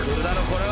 これ。